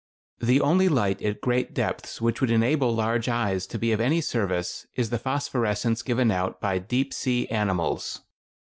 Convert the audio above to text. The only light at great depths which would enable large eyes to be of any service is the phosphorescence given out by deep sea animals.